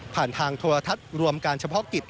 ทางโทรทัศน์รวมการเฉพาะกิจ